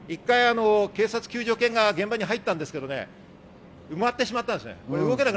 警察救助犬が現場に入ったんですけどね、埋まってしまったんです。